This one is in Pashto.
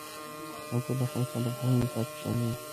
انګور د افغانستان د پوهنې نصاب کې شامل دي.